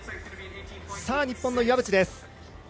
日本の岩渕です。